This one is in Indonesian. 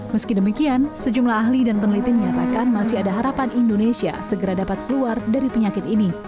meski demikian sejumlah ahli dan peneliti menyatakan masih ada harapan indonesia segera dapat keluar dari penyakit ini